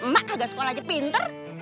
mak kagak sekolah aja pinter